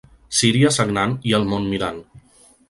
Síria sagnant i el món mirant.